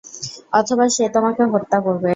অথবা সে তোমাকে হত্যা করবে।